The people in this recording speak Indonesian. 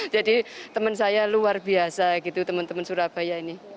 jadi teman saya luar biasa gitu teman teman surabaya ini